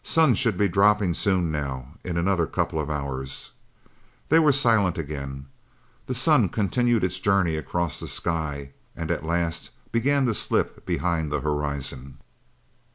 "Sun should be dropping soon now, in another couple of hours." They were silent again. The sun continued its journey across the sky and at last began to slip behind the horizon.